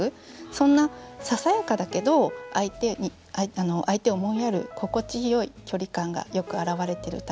そんなささやかだけど相手を思いやる心地よい距離感がよく表れてる歌かなと思いました。